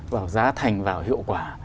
vào giá thành vào hiệu quả